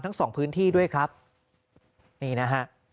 ทั้งสองพื้นที่ด้วยครับนี่นะฮะ